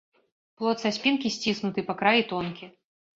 Плод са спінкі сціснуты, па краі тонкі.